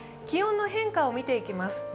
気温の変化を見ていきます。